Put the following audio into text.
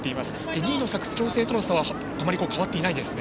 ２位の佐久長聖との差はあまり変わっていないですね。